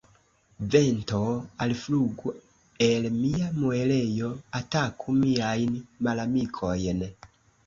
Vento, alflugu el mia muelejo, ataku miajn malamikojn!